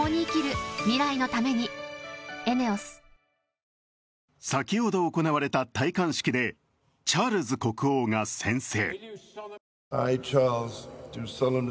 さぁ今すぐ検索！先ほど行われた戴冠式でチャールズ国王が宣誓。